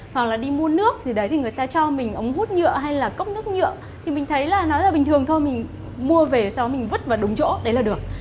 hoặc là đi mua nước gì đấy thì người ta cho mình ống hút nhựa hay là cốc nước nhựa thì mình thấy là nó rất là bình thường thôi mình mua về sau mình vứt vào đúng chỗ đấy là được